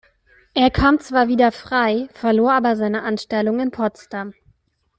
Er kam zwar wieder frei, verlor aber seine Anstellung in Potsdam.